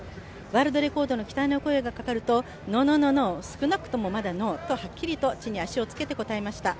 ワールドレコードの期待の声がかかると、ノー、ノー、ノー少なくともまだノーとはっきりと地に足をつけて語りました。